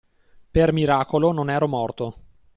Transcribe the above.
Per miracolo non ero morto.